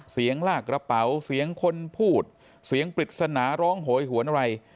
ลากกระเป๋าเสียงคนพูดเสียงปริศนาร้องโหยหวนอะไร